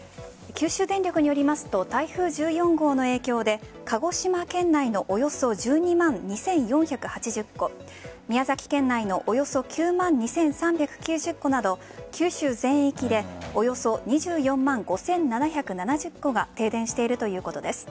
九州電力によりますと台風１４号の影響で鹿児島県内のおよそ１２万２４８０戸宮崎県内のおよそ９万２３９０戸など九州でおよそ２４万５７７０戸が停電しているということです。